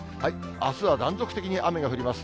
あすは断続的に雨が降ります。